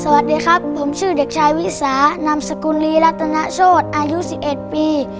สวัสดีครับผมชื่อเด็กชายวิสานามสกุลลีรัตนโชธอายุ๑๑ปี